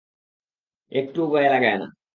একটুও গায়ে লাগায় না।